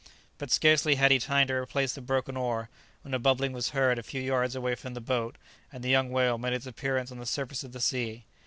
But scarcely had he time to replace the broken oar, when a bubbling was heard a few yards away from the boat, and the young whale made its appearance on the surface of the sea.